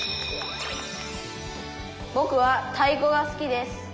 「ぼくは太鼓が好きです」。